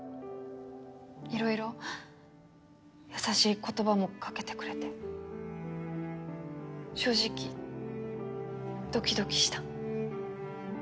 いろいろ優しい言葉もかけてくれて正直ドキドキした。